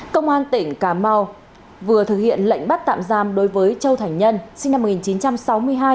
công an tỉnh cà mau vừa thực hiện lệnh bắt tạm giam đối với châu thành nhân sinh năm một nghìn chín trăm sáu mươi hai